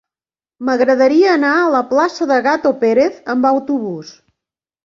M'agradaria anar a la plaça de Gato Pérez amb autobús.